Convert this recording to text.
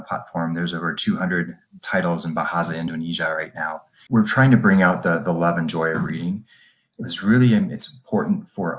platform ini dilaporkan di indonesia untuk indonesia